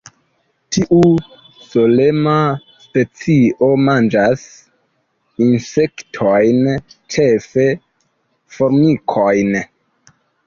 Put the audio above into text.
Tiu solema specio manĝas insektojn, ĉefe formikojn.